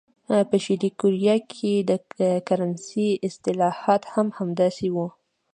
په شلي کوریا کې د کرنسۍ اصلاحات هم همداسې وو.